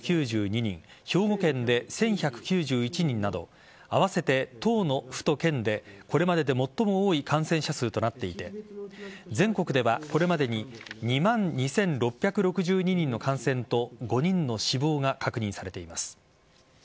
兵庫県で１１９１人など合わせて１０の府と県でこれまでで最も多い感染者数となっていて全国ではこれまでに２万２６６２人の感染と５人の死亡が確認されています。